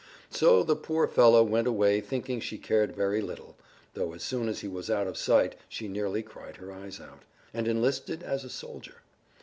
So the poor fellow went away thinking she cared very little (though as soon as he was out of sight she nearly cried her eyes out), and enlisted as a soldier.